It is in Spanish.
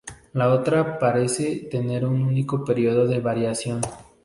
La otra parece tener un único período de variación.